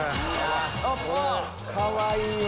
かわいいわ。